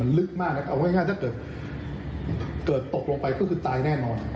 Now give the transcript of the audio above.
ลึกมากนะครับเอาง่ายถ้าเกิดตกลงไปก็คือตายแน่นอน